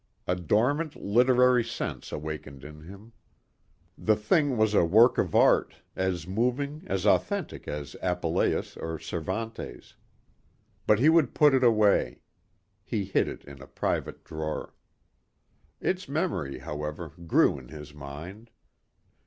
A dormant literary sense awakened in him. The thing was a work of art, as moving, as authentic as Apuleius or Cervantes. But he would put it away. He hid it in a private drawer. Its memory, however, grew in his mind.